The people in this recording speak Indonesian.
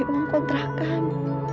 beliau lagi mengkontrakan